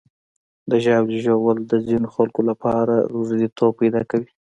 د ژاولې ژوول د ځینو خلکو لپاره روږديتوب پیدا کوي.